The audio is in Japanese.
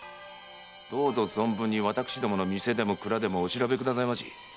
どうぞ存分に店でも蔵でもお調べください。